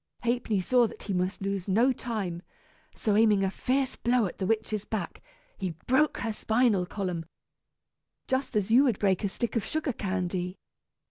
Ha'penny saw that he must lose no time, so aiming a fierce blow at the witch's back, he broke her spinal column, just as you would break a stick of sugar candy.